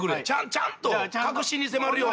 ちゃんと核心に迫るような。